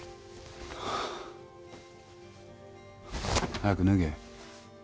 早く脱げよ。